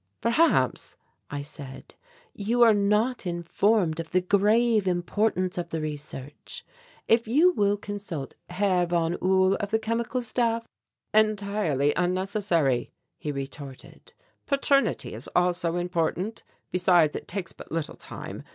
"Perhaps," I said, "you are not informed of the grave importance of the research. If you will consult Herr von Uhl of the Chemical Staff " "Entirely unnecessary," he retorted; "paternity is also important. Besides it takes but little time.